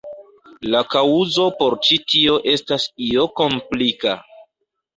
La kaŭzo por ĉi tio estas io komplika.